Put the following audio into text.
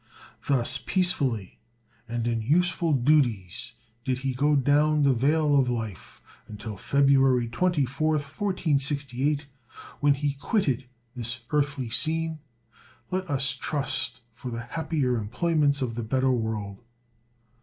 Thus peacefully and in useful duties did he go down the vale of life, until February 24, 1468, when he quitted this earthly scene, let us trust for the happier employments of the better world.